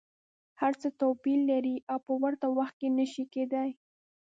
هر څه توپیر کوي او په ورته وخت کي نه شي کیدای.